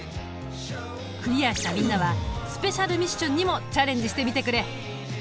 クリアしたみんなはスペシャルミッションにもチャレンジしてみてくれ。